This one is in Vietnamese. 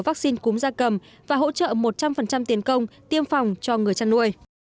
vắc xin cốm gia cầm và hỗ trợ một trăm linh tiền công tiêm phòng cho người chăn nuôi